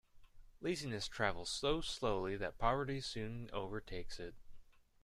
Laziness travels so slowly that poverty soon overtakes it.